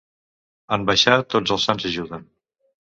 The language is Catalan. En baixar tots els sants ajuden.